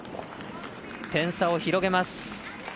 点差を広げます。